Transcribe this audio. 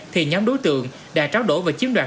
thì nhóm đối tượng đã tráo đổ và chiếm đoạt